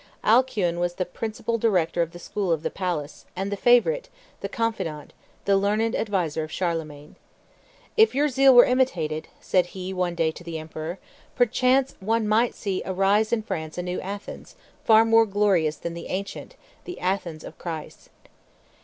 Alcuin was the principal director of the school of the palace, and the favorite, the confidant, the learned adviser of Charlemagne. "If your zeal were imitated," said he one day to the emperor, "perchance one might see arise in France a new Athens, far more glorious than the ancient the Athens of Christ."